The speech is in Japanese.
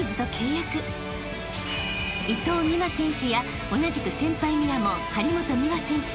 ［伊藤美誠選手や同じく先輩ミラモン張本美和選手